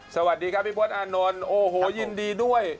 สวัสดีครับพี่โภตอานนท์ยืนดีด้วย